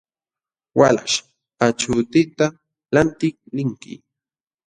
Walaśh, achuutita lantiq linki.